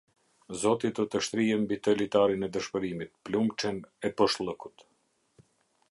Zoti do të shtrijë mbi të litarin e dëshpërimit, plumbçen e boshllëkut.